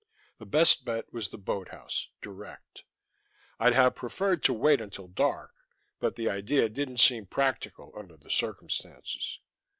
The best bet was the boathouse, direct. I'd have preferred to wait until dark, but the idea didn't seem practical under the circumstances.